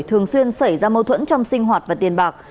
thường xuyên xảy ra mâu thuẫn trong sinh hoạt và tiền bạc